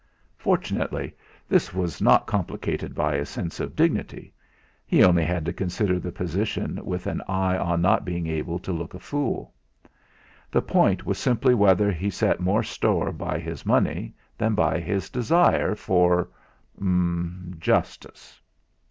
Fortunately this was not complicated by a sense of dignity he only had to consider the position with an eye on not being made to look a fool. The point was simply whether he set more store by his money than by his desire for er Justice.